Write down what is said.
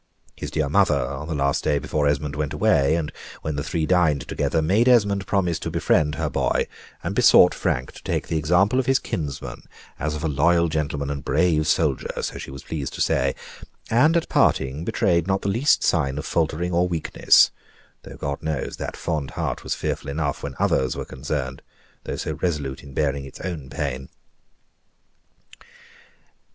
His dear mother, on the last day before Esmond went away, and when the three dined together, made Esmond promise to befriend her boy, and besought Frank to take the example of his kinsman as of a loyal gentleman and brave soldier, so she was pleased to say; and at parting, betrayed not the least sign of faltering or weakness, though, God knows, that fond heart was fearful enough when others were concerned, though so resolute in bearing its own pain.